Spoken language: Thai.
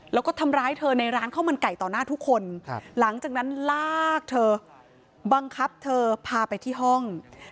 แล้วก็ทำร้ายเธอในร้านเข้ามันไก่ต่อหน้าทุกคน